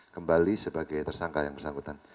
kembali sebagai tersangka yang bersangkutan